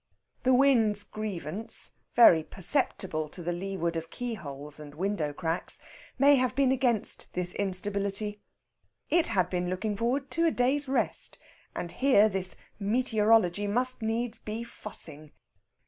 The wind's grievance very perceptible to the leeward of keyholes and window cracks may have been against this instability. It had been looking forward to a day's rest, and here this meteorology must needs be fussing.